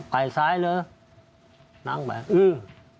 ไปซ้ายเลยนั่งไปอื้อ